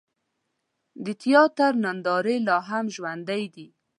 د تیاتر نندارې لا هم ژوندۍ دي.